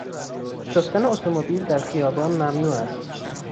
شستن اتومبیل در خیابان ممنوع است.